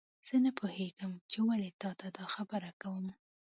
زه نه پوهیږم چې ولې تا ته دا خبره کوم